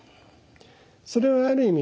それはある意味